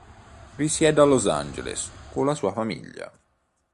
Risiede a Los Angeles con la sua famiglia.